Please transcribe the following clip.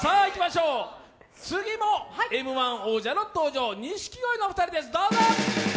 次も「Ｍ−１」王者の登場、錦鯉のお二人です。